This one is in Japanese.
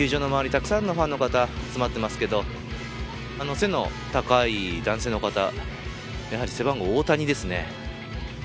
たくさんのファンの方集まってますけどあの背の高い男性の方やはり背番号、大谷ですね。